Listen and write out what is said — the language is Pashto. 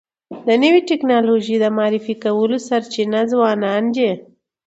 د نوي ټکنالوژۍ د معرفي کولو سرچینه ځوانان دي.